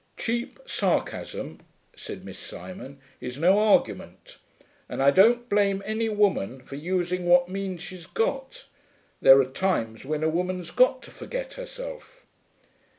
'Cheap sarcasm,' said Miss Simon, 'is no argument. And I don't blame any woman for using what means she's got. There are times when a woman's got to forget herself.'